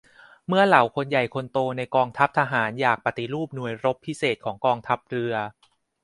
เมื่อเหล่าคนใหญ่คนโตในกองทัพทหารอยากปฏิรูปหน่วยรบพิเศษของกองทัพเรือ